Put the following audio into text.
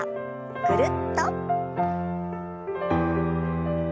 ぐるっと。